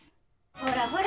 ほらほら